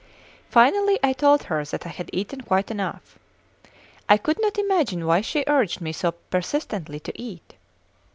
Finally, I told her that I had eaten quite enough. I could not imagine why she urged me so persistently to eat.